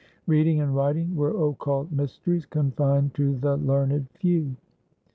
Reading and writing were occult mysteries confined to the learned few. .